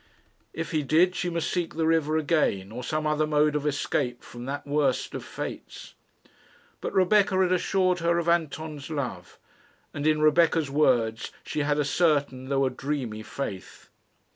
If he did, she must seek the river again, or some other mode of escape from that worst of fates. But Rebecca had assured her of Anton's love, and in Rebecca's words she had a certain, though a dreamy, faith.